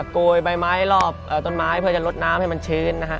โกยใบไม้รอบต้นไม้เพื่อจะลดน้ำให้มันชื้นนะฮะ